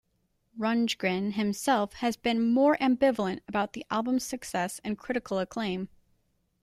Rundgren himself has been more ambivalent about the album's success and critical acclaim.